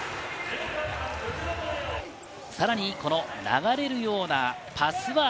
さらに流れるようなパスワー